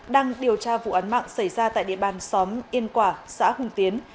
đang điều tra vụ án mạng xảy ra tại địa bàn xóm yên quả xã hùng tiến